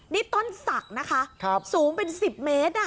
นี่ต้นศักดิ์นะคะสูงเป็น๑๐เมตร